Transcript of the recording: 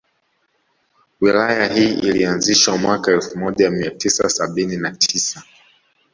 Wilaya hii ilianzishwa mwaka elfu moja mia tisa sabini na tisa